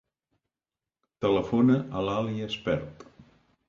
Telefona a l'Ali Espert.